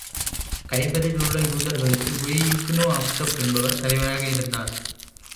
கைபரில் உள்ள யூதர்களுக்கு ஹுயையுப்னு அக்தப் என்பவர் தலைவராக இருந்தார்.